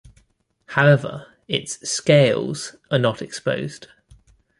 However, its "scales" are not exposed.